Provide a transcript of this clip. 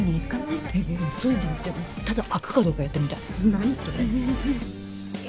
いやいやそういうんじゃなくてただ開くかどうかやってみたい。